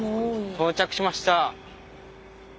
到着しました。